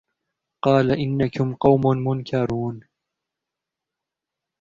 قال إنكم قوم منكرون